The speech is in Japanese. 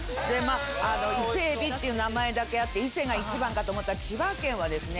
あ伊勢海老っていう名前だけあって伊勢が一番かと思ったら千葉県はですね